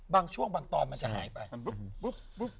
บางช่วงบางตอนมันจะหายไปปุ๊บ